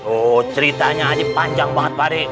oh ceritanya panjang banget pak de